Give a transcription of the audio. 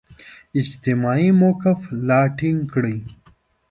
اجتماعي موقف لا ټینګ کړي.